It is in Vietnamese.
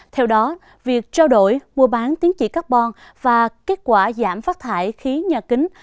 theo đó việc trao đổi mua bán tiến trị carbon và kết quả giảm phát thải khí nhà kính